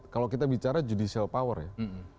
kalau kita bicara judicial power ya